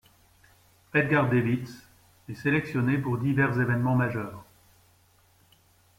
Edgar Davids est sélectionné pour divers évènements majeurs.